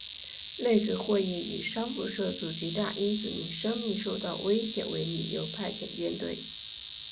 内阁会议以商务受阻及大英子民生命受到威胁为理由派遣舰队。